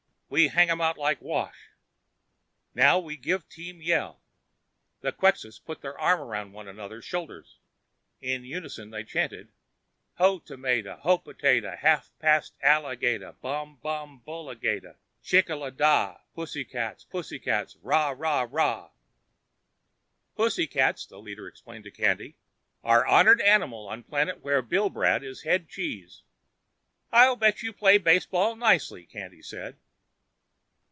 We hang them out like wash. Now we give team yell." The Quxas put their arms around each other's shoulders. In unison, they chanted: "Hoe tomata; hoe potata Half past alligata, Bum, bum, bulligata, Chickala dah! Pussycats! Pussycats! Rah! Rah! Rah!" "Pussycats," the leader explained to Candy, "are honored animal on planet where Billbrad is head cheese." "I'll bet you play baseball nicely," Candy said.